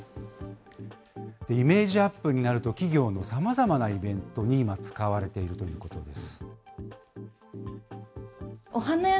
イメージアップになると、企業のさまざまなイベントに今、使われているということです。